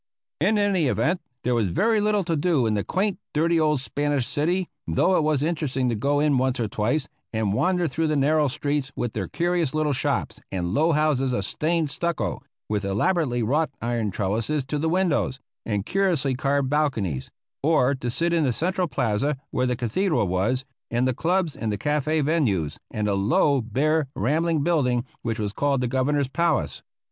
In any event there was very little to do in the quaint, dirty old Spanish city, though it was interesting to go in once or twice, and wander through the narrow streets with their curious little shops and low houses of stained stucco, with elaborately wrought iron trellises to the windows, and curiously carved balconies; or to sit in the central plaza where the cathedral was, and the clubs, and the Cafe Venus, and the low, bare, rambling building which was called the Governor's Palace.